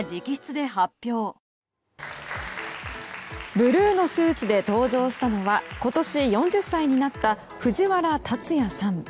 ブルーのスーツで登場したのは今年４０歳になった藤原竜也さん。